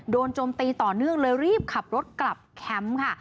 โจมตีต่อเนื่องเลยรีบขับรถกลับแคมป์ค่ะ